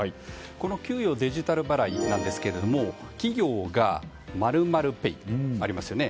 この給与デジタル払いなんですが企業が○○Ｐａｙ、ありますよね。